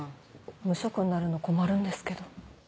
無職になるの困るんですけど。